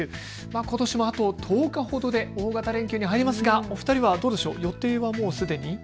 ことしもあと１０日ほどで大型連休に入りますがお二人は予定はもうすでに？